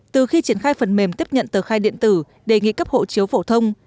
từ khi triển khai phần mềm tiếp nhận tờ khai điện tử đề nghị cấp hộ chiếu phổ thông